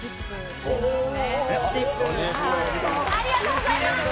見ますね、ありがとうございます。